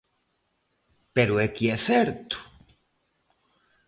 Pero é que é certo.